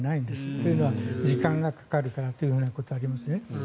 というのは時間がかかるからということがあります。